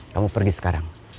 kamu pergi sekarang